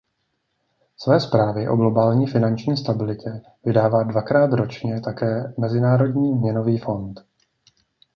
Své zprávy o globální finanční stabilitě vydává dvakrát ročně také Mezinárodní měnový fond.